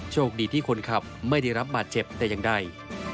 โชคดีที่คนขับไม่ได้รับบาดเจ็บแต่อย่างใด